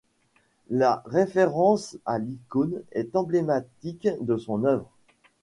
La référence à l'icône est emblématique de son œuvre.